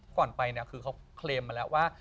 ก่อนไปเนี่ยคือเขาเคลมมาแล้วว่า